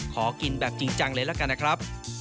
ขอกินแบบจริงจังเลยละกันนะครับ